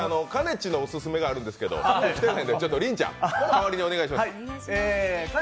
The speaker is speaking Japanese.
ちのオススメがあるんですえど、来てへんでりんちゃん、代わりにお願いしますかね